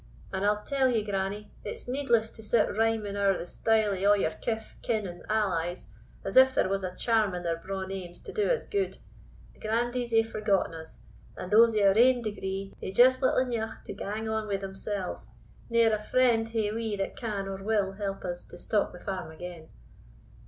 And I'll tell ye, grannie, it's needless to sit rhyming ower the style of a' your kith, kin, and allies, as if there was a charm in their braw names to do us good; the grandees hae forgotten us, and those of our ain degree hae just little eneugh to gang on wi' themsells; ne'er a friend hae we that can, or will, help us to stock the farm again."